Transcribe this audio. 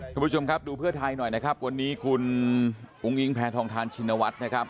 คุณผู้ชมครับดูเพื่อไทยหน่อยนะครับวันนี้คุณอุ้งอิงแพทองทานชินวัฒน์นะครับ